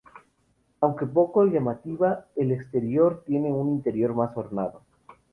Aunque poco llamativa en el exterior, tiene un interior más ornado.